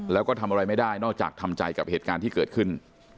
แล้วก็ทำอะไรไม่ได้นอกจากทำใจกับเหตุการณ์ที่เกิดขึ้น